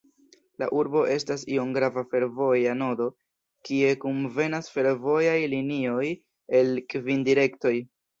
La urbo estas iom grava fervoja nodo, kie kunvenas fervojaj linioj el kvin direktoj.